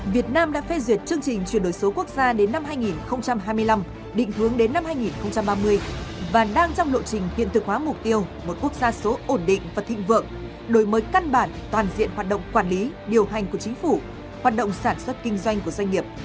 việt nam đã phê duyệt chương trình chuyển đổi số quốc gia đến năm hai nghìn hai mươi năm định hướng đến năm hai nghìn ba mươi và đang trong lộ trình hiện thực hóa mục tiêu một quốc gia số ổn định và thịnh vượng đổi mới căn bản toàn diện hoạt động quản lý điều hành của chính phủ hoạt động sản xuất kinh doanh của doanh nghiệp